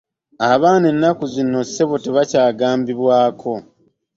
Abaana ennaku zino ssebo tebakyagambwako.